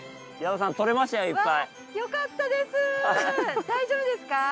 大丈夫ですか？